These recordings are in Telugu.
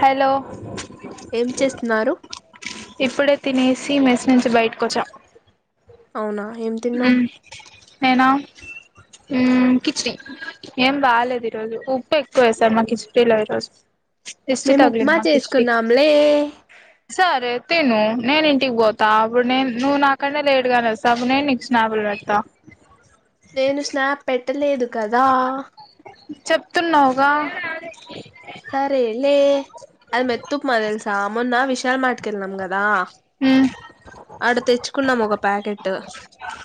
హలో ఏం చేస్తున్నారు ఇప్పుడే తినేసి మెస్ నుంచి బయటకొచ్చాం అవునా ఏం తిన్నావు నేనా కిచడి ఏం బాలేదు ఈ రోజు ఉప్పు ఎక్కువ వేస్తారు మా కిచిడీలో ఈరోజు దిష్టి మేము తగిలింది ఉప్మా మా కిచిడి చేసుకున్నాంలే నేను ఇంటికి పోతా అప్పుడు నేను నువ్వు నాకంటే లేట్ గానేస్తా అప్పుడు నేను స్నాప్లు పెడతా నేను స్నాప్ పెట్టలేదు కదా చెప్తున్నావుగా సరే లే అది మెత్తుప్మ తెలుసా మున్న విశాల్ మార్ట్కెల్నం గదా మ్మ్ ఆడ తెచ్చుకున్నాము ఒక ప్యాకెట్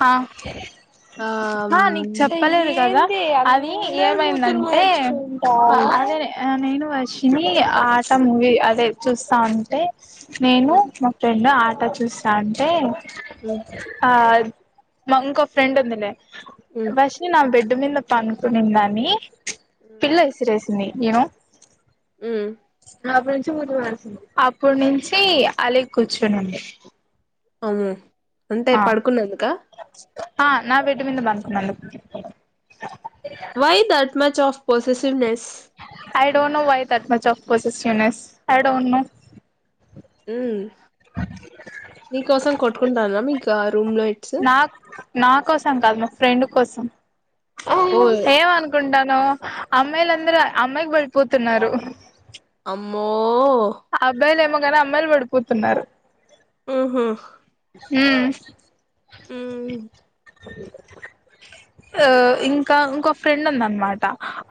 ఆ ఆ ఆ నీకు చెప్పలేదు కదా అది ఏమైందంటే మ్ అదే నేను వర్షిణి ఆట మూవీ అదే చూస్తా ఉంటే నేను మ్ మా ఫ్రెండ్ ఆగి అట్టా చూస్తా ఉంటే ఆ మా ఇంకో ఫ్రెండ్ ఉందిలే మ్ వర్షిణి నా బెడ్డు మీదన పండుకునిదని పిల్లో ఇసిరేసి సింధీ యూ నో ఉమ్ అప్పుడు నుంచి అలిగి కూర్చొనుంది ఆ అంటే పడుకునేందుక ఆ నా బెడ్ మీద పడుకున్నందుకు why that much of possessiveness I don't know why that much of possessiveness I don't know um, నీకోసం కొట్టుకుంటనా మీ నాకు నా కోసం కాదు మా ఫ్రెండ్ కోసం ఓ ఏం అనుకుంటానవు అమ్మాయిలుందరూ అమ్మాయికి పడిపోతున్నారు అమ్మో ఆ అబ్బాయిలు ఏమో కాని అమ్మాయిలు పడిపోతున్నారు ఆహా ఉమ్ ఉమ్ ఆ ఇంకా ఇంకో ఫ్రెండ్ ఉందనమాట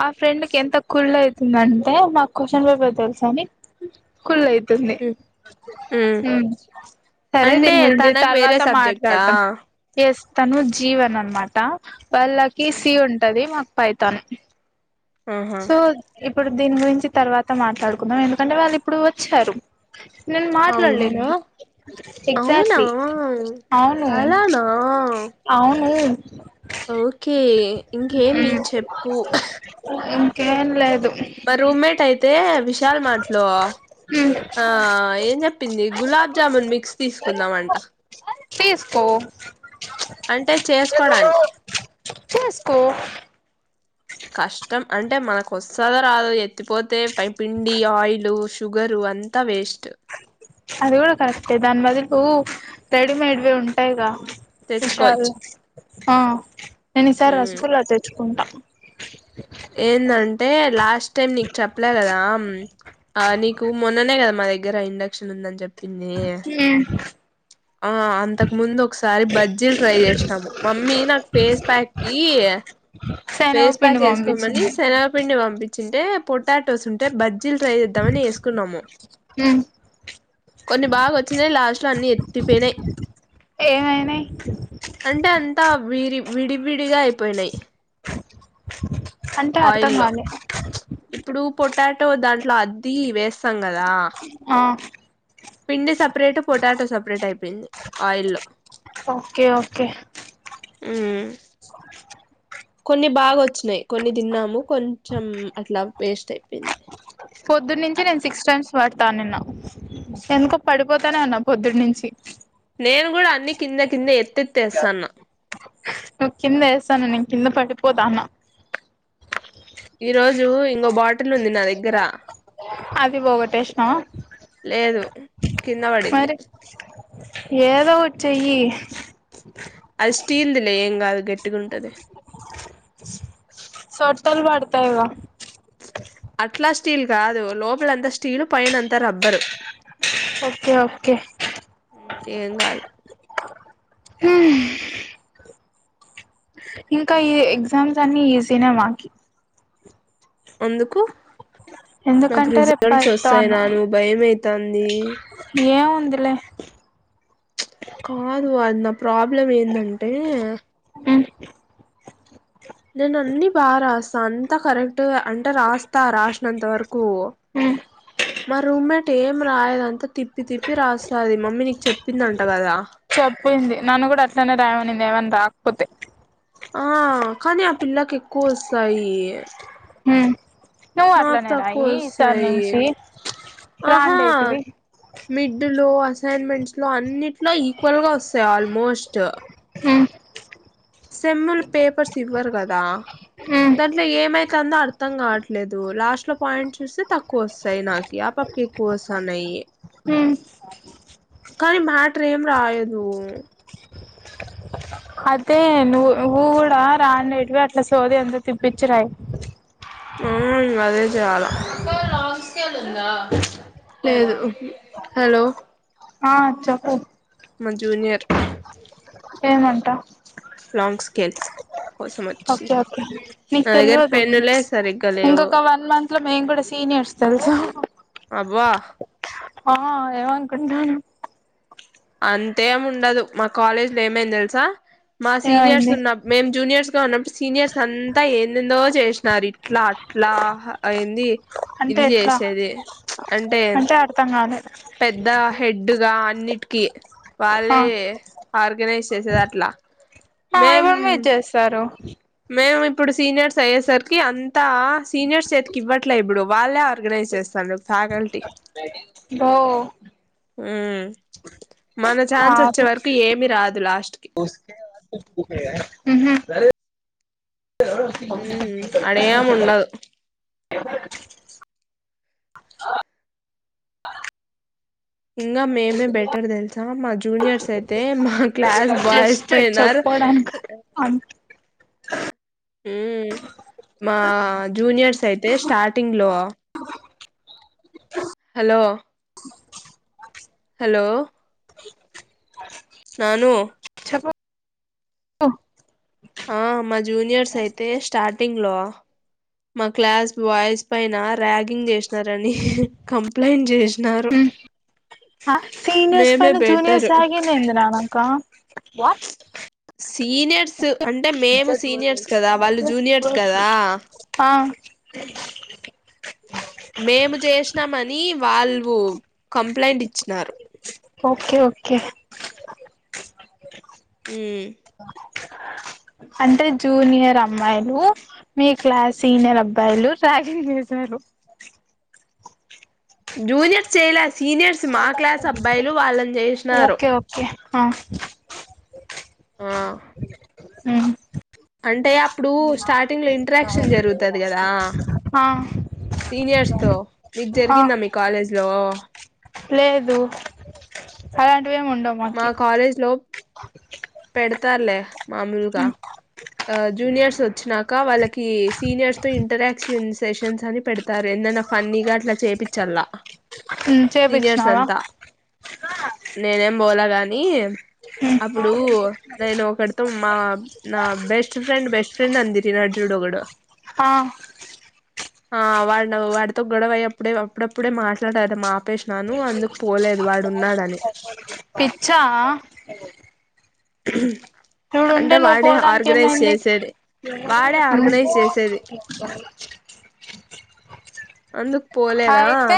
ఆ ఫ్రెండ్ ఎంత కుళ్ళయితందాంటే నాకు క్వశ్చన్ పేపర్ తెలుసని కుళ్ళయితంది మ్ మ్ సరే అంటే దీనిగురించి తనకు వేరే తర్వాత సబ్జెక్టా మాట్లాడదాం ఎస్ తను జీవన్ అనమాట వాళ్ళకి సి ఉంటది మాకు పైథాన్ ఆహా సో ఇప్పుడు దీని గురించి తర్వాత మాట్లాడుకుందాం ఎందుకంటే వాళ్ళు ఇప్పుడు వచ్చారు నేను అవునా మాట్లాడలేని అవునా ఎక్సాక్ట్లీ అవును అలానా అవును ఓకే ఇంకేమి చెప్పు ఉమ్ ఇంకేం లేదు మా రూమ్మేట్ అయితే విశాల్ మార్ట్లో ఆ ఏం చెప్పింది గులాబ్జామున్ మిక్స్ తీసుకుందామంట తీసుకో ప్చ్ అంటే చేసుకోడానికి చేసుకో కష్టం, అంటే మనకు వస్తుందా రాద ఎత్తిపోతే పై పిండి ఆయిలు షుగరు అంతా వేస్ట్ అది కూడా కరెక్టే దాని బదులు రెడిమేడ్వి ఉంటాయిగా విషల్ తెచ్చుకోవచ్చు ఆ నేను ఈసారి మ్ రసగుల్లా వి తెచ్చుకుంటా ఏందంటే లాస్ట్ టైం నీకు చెప్పలే కదా నీకు మొన్ననే కదా మా దగ్గర ఇండక్షన్ ఉందని చెప్ ఉమ్ ఆ అంతకు ముందు ఒకసారి బజ్జీలు ట్రై చేసినాము మమ్మీ నాకు ఫేస్ ప్యాక్ కీ శనగ ఫేస్ పిండి ప్యాక్ వేసుకోమని పంపించింది శనగపిండి పంపిం వచ్చింటే పొటాటోస్ ఉంటే బజ్జీలు ట్రై చేద్దామని వేసుకున్నాము ఉమ్ కొన్ని బాగా వచ్చినయి లాస్ట్లో అన్నీ ఎత్తిపోయినయ్ ఏమైనాయి అంటే అంతా విరి విడివిడిగా అయిపోయినాయి అంటే అర్థం ఆయిల్లో కాలే ఇప్పుడు పొటాటో దాంట్లో అది వేస్తాం కదా ఆ పిండి సపరేట్ పొటాటో సపరేట్ అయిపోయింది ఆయిల్లో ఓకే ఓకే ఉమ్ కొన్ని బాగా వచ్చినాయి కొన్ని తిన్నాము కొంచెం అట్లా వేస్ట్ అయిపోయింది తా నిన్న ఎందుకో పడిపోతానే అన్నా పొద్దుడి నుంచి నేను కూడా అన్ని కిందే కిందే ఎత్తేతివేసన్న నువ్ కింద వేసన్నావ్ నేను కింద పడిపోతన్నా ఈ రోజు ఇంకో బాటిల్ ఉంది నా దగ్గర అది పోగొట్టేస్నవ లేదు కింద పడింది మరి ఏదో ఒకటి చెయ్యి అది స్టీల్దిలే ఏం కాదు గట్టిగా ఉంటది సోట్టలు వాడతాయ్ గ అట్లా స్టీల్ కాదు లోపలంతా స్టీల్ పైన అంతా రబ్బరు ఓకే ఓకే ఏం కాదు ఉమ్ ఇంకా ఈ ఎగ్జామ్స్ అన్ని ఈజీనే మాకి ఎందుకు నాకు ఎందుకంటే రేపు రిజల్ట్స్ వస్తాయి పైతాను నా ను భయమయితుంది ఉందిలే కాదు అద్ నా ప్రాబ్లం ఏందంటే ఉమ్ నేను అన్ని బాగా రాస్తా అంత కరెక్ అంటే రాస్తా రాసినంత వరకు ఉమ్ మా రూమ్మేట్ ఏం రాయదంతా తిప్పి తిప్పి రాసది మమ్మీ నీకు చెప్పిందింట కదా చెప్పింది నన్ను కూడా అట్లనే రాయ మనింది ఏమన్నా రాకపోతే ఆ కానీ ఆ పిల్లకి ఎక్కువ వస్తాయి ఉమ్ నువ్వు నాకు అట్లనే తక్కువ రాయి ఈసారి వస్తాయి నుంచి ఆహా రాండేటివి మిడ్ లో అసైన్మెంట్స్ లో అన్నిట్లో ఈక్వల్ గా వస్తాయి ఆల్మోస్ట్ ఉమ్ సెమ్ములు పేపర్స్ ఇవ్వరు కదా దాంట్లో ఏమైతుందో అర్ అర్థం కావట్లేదు లాస్ట్ లో పాయింట్ చూస్తే తక్కువ వస్తాయి నాకి ఆపప్కి ఎక్కువ వస్తున్నాయి ఉమ్ కానీ మ్యాటర్ ఏం రాయదు అదే నువ్వు నువ్వు కూడా రాండేటివి అట్లా సోది అంత తిప్పించిరాయ్ ఉం అదే చేయాలా లేదు హలో ఆ చెప్పు మా జూనియర్ ఏమంటా టంగ్ స్కెల్ ఓకే ఓకే మీకు దగ్గర తెల్వదు పెన్నులే సరిగ్గా లేవు ఇంకొక వన్ మంత్ లో మేము కూడా సీన్ ట్నే ఏడుస్తదా అబ్బా ఆ ఏమనుకుంటున్నావ్ అంతేమి ఉండదు మా కాలేజీ లో ఏమైంది తెలుసా మా సీనియర్స్ ఏమైంది ఉన్న మేం జూనియర్స్ గా ఉన్నప్పుడు సీనియర్స్ అంతా ఏందోదో చేసినారు ఇట్లా అట్లా అయింది అంటే ఇది ఎట్లా చేసేది అంటే అర్థం కాలే పెద్ద హెడ్ గా అన్నిటికీ ఆ వాళ్ళే ఆర్గనైజ్ చేసేది అట్లా ఆ మేం ఇప్పుడు మీరు చేస్తారు మేము ఇప్పుడు సీనియర్స్ అయ్యేసరికి అంతా సీనియర్స్ చేతికి ఇవ్వట్లే ఇప్పుడు వాళ్ళే ఆర్గనైజ్ చేస్తాం అ తకల్టీ బో - మ్ మన ఛాన్స్ వచ్చే పాపం వరకు ఏమి రాదు లాస్ట్ కి ఉహు ఉ ఎం ఉండదు అ ఇంగా మేమే బెటర్ తెలుసా మా జూనియర్స్ అయితే మా క్లాస్ బాయ్స్ జస్ట్ పైన [unintelligible] మ్ మా జూనియర్స్ అయితే స్టార్టింగ్ లో హలో హలో ననుూ ఆ ఆ మా జూనియర్స్ అయితే స్టార్ట్ ంగ్ లో మా క్లాస్ బాయస్ పైన ర్యాగింగ్ చే రని కంప్లైంట్ చేసినారు ఆ సీనియర్స్ మేమే పైన జూనియర్స్ బెటరు ర్యాగింగ్ ఏంది రాధక్క వాట్ సీనియర్స్ అంటే మేము సీనియర్స్ కదా వాళ్ళు జూనియర్స్ కదా అ మేము చేసినామ అని వాళ్ళు కంప్లైంట్ ఇచ్చినారు ఓకే ఓకే మ్ అంటే జూనియర్ అమ్మాయిలు మీ క్లాస్ సీనియర్ అబ్బాయిలు ర్యాగింగ్ చేసారు జూనియర్స్ చేయలా సీనియర్స్ మా క్లాస్ అబ్బాయిలు వాళ్ళని చేసినారు ఓకే ఓకే ఆ ఆ మ్ అంటే అప్పుడు స్టార్టింగ్ లో ఇంట్రాక్షన్ జరుగుతది కదా ఆ సీనియర్స్ తో మీకు ఆ జరిగిందా మీ కాలేజ్ లో లేదు అలా మా కాలేజ్ లో పెడతారులే మామూలుగా ఉమ్ జూనియర్స్ వచ్చినక వాళ్ళ సీనియర్స్ తో ఇంటరాక్షన్ సెషన్స్ అని పెడతారు ఎన్ఫ్ ఫన్నీగా అట్ల చేపచ్చలా ఉమ్ సీనియర్స్ చేపిచ్చినావా అంత నేనేం బోల గాని అప్పు నేను ఒకడితో మా నా బెస్ట్ ఫ్రెండ్ బెస్ట్ ఫ్రెండ్ అనీ [unintelligible] చూడు ఓగడు ఆ ఆ వాళ వాడితో గొడవ అయ్యప్పుడే అప్పుడప్పుడే మాట్లాడారు మా ప్పేసినాను అందుకు పోలేదు వాడు ఉన్నాడని పిచ్చా ఇప్పుడు ఉంటే అంటే నువ్వు వాడే పోవడానికి ఆర్గనైజ్ ఏమైంది చేసేది వాడే ఉమ్ ఆర్గనైజ్ చేసేది అందుకు పోలేద అయితే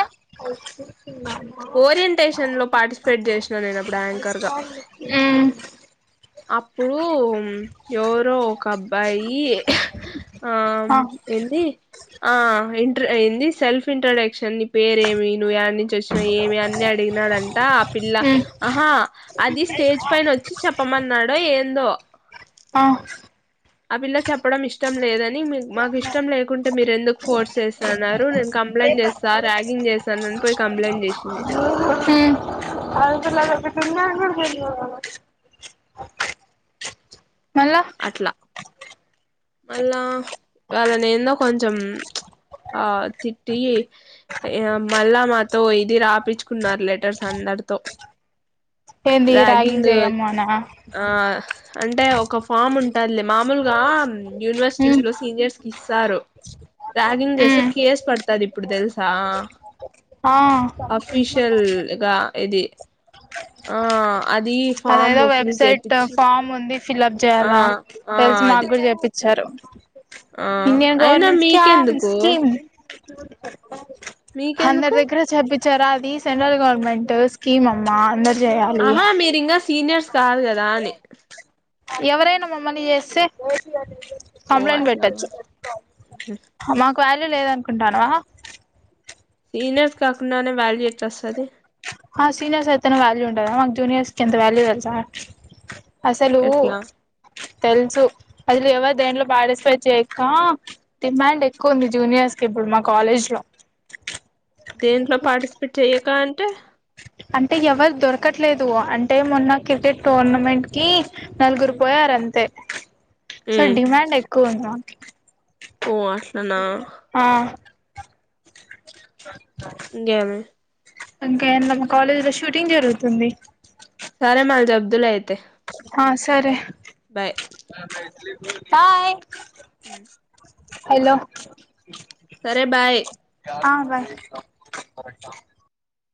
ఓరియంటేషన్ లో పార్టిసిపేట్ చేసిన నేను అప్పుడు యాంకర్ గా ఉమ్ అప్ డు ఎవరో ఒక అబ్బాయి ఆ ఏంది ఆ [unintelligible] ఏంది సెల్ఫ్ ఇంట్రొడక్షన్ నీ పేరేమి నువ్వు ఎ నుంచి వచ్ ఏమి అన్ని అడిగినడంట ఆ పిల్ల ఉమ్ ఆహా అది స్టేజ్ పైన వచ్చి చెప్పమన్నాడో ఏందో ఆ ఆ పిల్ల చెప్పడం ఇష్టం లేదని మాకు ఇష్టం లేకుంటే మీరు ఎందుకు ఫోర్స్ చేస్తున్నారు నేను క కంప్లైం చేస్తా ర్యాగింగ్ చేస్తాను అని పోయి కంప్లైంట్ చేసింది ఒకే మళ్ళా అట్లా మళ్ళా వాళ్ళ నేందో కొంచెం ఆ తిట్టి మళ్ళా మాతో ఇది రాపిచ్చుకున్నారు లెటర్స్ అ ఏంది రాగింగ్ ర్యాగింగ్ జేయమ్మనా ఆ అంటే ఒక ఫామ్ ఉంటుదిలే మామూలుగా యూనివర్సిటీస్ ఉమ్ లో సీనియర్స్ ఇస్తారు రాగింగ్ చేస్తే ఉమ్ కేసు పడతది ఇప్పుడు తెలుసా ఆ అఫీషియల్గ ఇది ఆ అది ఫామ్ అదేదో ఫిల్ వెబ్సైట్ చేపిచ్చి ఫామ్ ఉంది ఫిల్ అప్ ఆ చేయాల ఆ తెలిసి అది మాకుడ చెపిచ్చారు ఆ ఇండియన్ అయినా గవర్నమెంట్స్ స్కామ్ మీకెందుకు స్కీమ్ అందరు మీకెందుకు దగ్గర చ [unintelligible] జరాది సెంట్రల్ గవర్నమెంట్ స్కీమ్ అమ్మా [unintelligible] ఆహా మీరి ఇంగ సీనియర్స్ కాదు కదా అని ఎవరైనా మమ్మని చేస్తే ఓ కంప్లేన్ అట్లానా పెట్టచ్చు క్వాలీ లేదనుకుంటానవ సీనియర్స్ కాకుండనే వాల్యూ ఎట్ల వస్తది సీనియర్స్ అయితేనే వాల్యూ ఉంటద మాకు జూనియర్స్ కి ఎంత వాల్యూ తెలుసా అసలు ఎట్లా తెలుసు అసలు ఎవ దేంట్లో పాటిస్ఫై చేసిన డిమాండ్ ఎక్కువ ఉంది జూనియర్స్ కి ఇప్పుడు మా కాలేజ్ లో దేంట్లో పార్టిసిపేట్ చెయ్యక అంటే అంటే ఎవరు దొరకట్లేదు అంటే మొన్న క్రికెట్ టోర్నమెంట్ కి నలుగురు పోయారు అంతే సో మ్మ్ డిమాండ్ ఎక్కువ ఉంది మా ఓ అట్లనా స ఇంగేమి ఇంకా మా కాలేజీ లో షూటింగ్ జరుగుతుంది సరే మళ్ళీ చెప్డువలే అయితే ఆ సరే బాయ్ బాయ్ హలో సరే బాయ్ బై